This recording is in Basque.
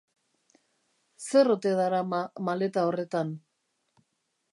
Zer ote darama maleta horretan?.